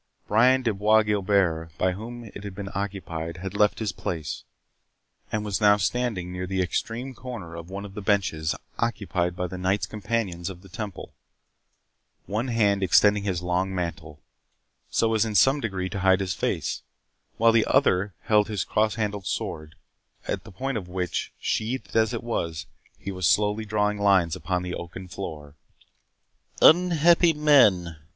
Brian de Bois Guilbert, by whom it had been occupied, had left his place, and was now standing near the extreme corner of one of the benches occupied by the Knights Companions of the Temple, one hand extending his long mantle, so as in some degree to hide his face; while the other held his cross handled sword, with the point of which, sheathed as it was, he was slowly drawing lines upon the oaken floor. "Unhappy man!"